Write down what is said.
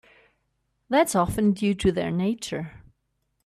That's often due to their nature.